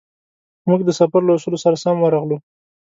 موږ د سفر له اصولو سره سم ورغلو.